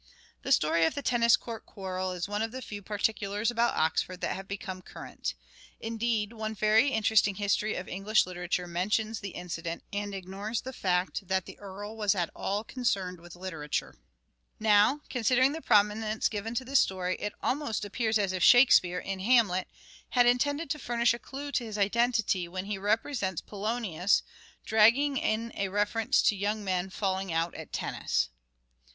The story of the tennis court quarrel is one of the few particulars about Oxford that have become current . Indeed, one very interesting history of English literature mentions the incident, and ignores the fact that the earl was at all concerned with literature. MANHOOD OF DE VERB : MIDDLE PERIOD 297 Now, considering the prominence given to this story, it almost appears as if " Shakespeare," in " Hamlet," had intended to furnish a clue to his identity when he represents Polonius dragging in a reference to young men " falling out at tennis."